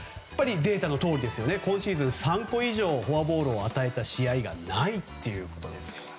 データのとおり今シーズン３個以上フォアボールを与えた試合がないっていうことですからね。